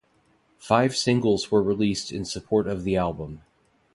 Five singles were released in support of the album.